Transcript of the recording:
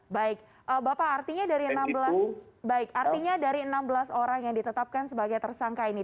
baik bapak artinya dari enam belas orang yang ditetapkan sebagai tersangka ini